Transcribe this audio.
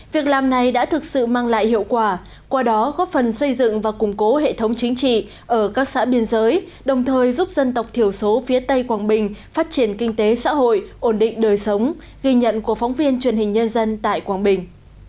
việc làm này đã thực sự mang lại hiệu quả qua đó góp phần xây dựng và củng cố hệ thống chính trị ở các xã biên giới đồng thời giúp dân tộc thiểu số phía tây quảng bình phát triển kinh tế xã hội ổn định đời sống ghi nhận của phóng viên truyền hình nhân dân tại quảng bình